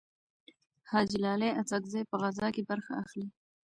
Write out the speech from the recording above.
حاجي لالي اڅکزی په غزاکې برخه اخلي.